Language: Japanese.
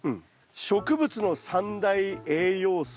植物の三大栄養素。